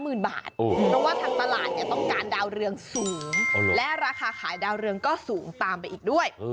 หมื่นบาทเพราะว่าทางตลาดเนี่ยต้องการดาวเรืองสูงและราคาขายดาวเรืองก็สูงตามไปอีกด้วย